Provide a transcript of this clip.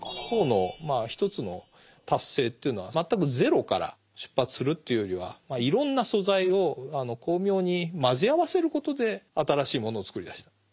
ポーのまあ一つの達成というのは全くゼロから出発するというよりはいろんな素材を巧妙に混ぜ合わせることで新しいものを作り出した。